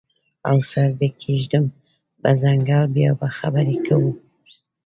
او سر دې کیږدم په څنګل بیا به خبرې کوو